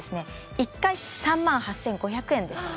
１回３万８５００円です